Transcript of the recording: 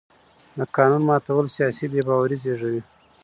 د قانون ماتول سیاسي بې باوري زېږوي